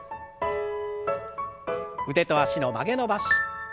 腕と脚の曲げ伸ばし。